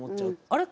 「あれ？